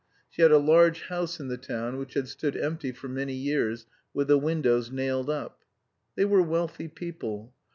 She had a large house in the town which had stood empty for many years with the windows nailed up. They were wealthy people.